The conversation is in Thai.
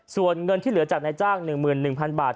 ส่วนเงินที่เหลือจากนายจ้าง๑๑๐๐๐บาท